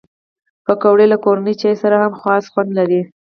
پکورې له کورني چای سره خاص خوند لري